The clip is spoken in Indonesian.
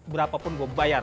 berapa pun gua bayar